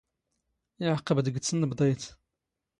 ⵉⵄⵇⴱ ⴷ ⴳ ⵜⵙⵏⴱⴹⴰⵢⵜ.